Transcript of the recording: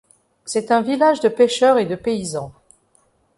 C'est un village de pêcheurs et de paysans.